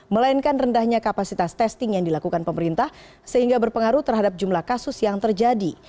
melainkan rendahnya kapasitas testing yang dilakukan pemerintah sehingga berpengaruh terhadap jumlah kasus yang terjadi